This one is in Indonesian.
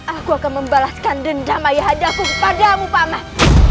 aku akan membalaskan dendam ayahadaku kepadamu pak man